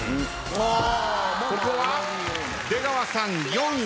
ここは出川さん４位。